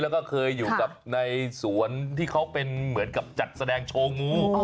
แล้วก็เคยอยู่กับในสวนที่เขาเป็นเหมือนกับจัดแสดงโชว์งู